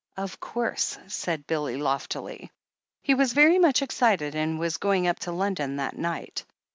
"Of course," said Billy loftily. He was very much excited, and was going up to London that night.